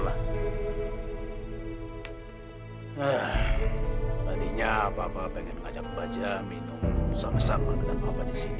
nah tadinya papa pengen ngajak bajaj minum sama sama dengan papa di sini